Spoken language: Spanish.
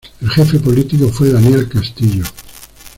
El jefe político fue Daniel Castillo.